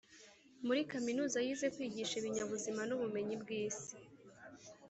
muri kaminuza, yize kwigisha ibinyabuzima n’ubumenyi bw’isi,